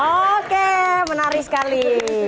oke menarik sekali